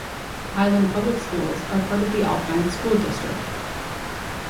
Highland Public schools are part of the Alpine School District.